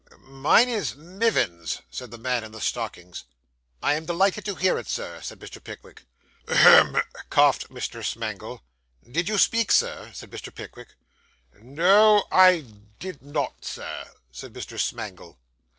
'Mine is Mivins,' said the man in the stockings. 'I am delighted to hear it, sir,' said Mr. Pickwick. 'Hem,' coughed Mr. Smangle. 'Did you speak, sir?' said Mr. Pickwick. 'No, I did not, sir,' said Mr. Smangle.